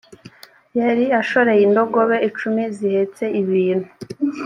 yari ashoreye indogobe icumi zihetse ibintu